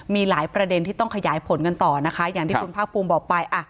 มีหลายประเด็นที่ต้องขยายผลกันต่อนะคะอย่างที่คุณภาคภูมิบอกไป